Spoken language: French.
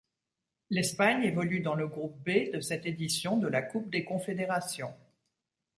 L'Espagne évolue dans le groupe B de cette édition de la Coupe des confédérations.